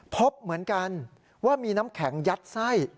พบเหมือนกันว่ามีน้ำแข็งยัดไส้